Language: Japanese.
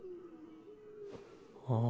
ああ。